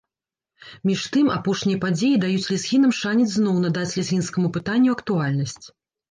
Між тым, апошнія падзеі даюць лезгінам шанец зноў надаць лезгінскаму пытанню актуальнасць.